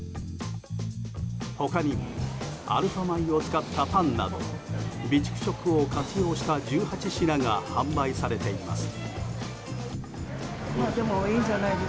他にもアルファ米を使ったパンなど備蓄食を活用した１８品が販売されています。